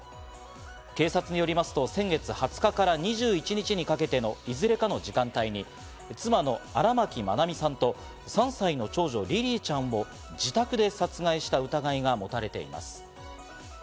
警察によりますと、先月２０日から２１日にかけてのいずれかの時間帯に妻の荒牧愛美さんと３歳の長女リリィちゃんを自宅で殺害した疑いが持たれています。